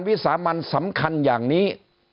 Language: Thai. วิสามันสำคัญอย่างนี้